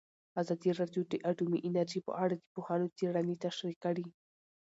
ازادي راډیو د اټومي انرژي په اړه د پوهانو څېړنې تشریح کړې.